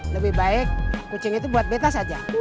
lebih baik kucing itu buat betas aja